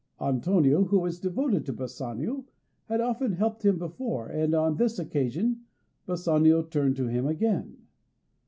Antonio, who was devoted to Bassanio, had often helped him before, and on this occasion Bassanio turned to him again.